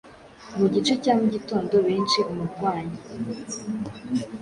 Mu gicu cya mugitondo benshi umurwanyi